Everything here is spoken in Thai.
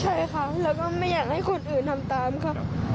ใช่ค่ะแล้วก็ไม่อยากให้คนอื่นทำตามค่ะ